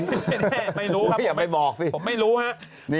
แน่ไม่รู้ครับอย่าไปบอกสิผมไม่รู้ฮะ